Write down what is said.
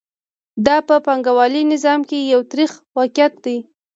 دا په پانګوالي نظام کې یو تریخ واقعیت دی